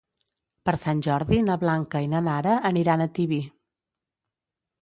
Per Sant Jordi na Blanca i na Nara aniran a Tibi.